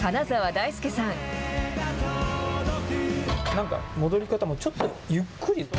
なんか戻り方もちょっとゆっくり。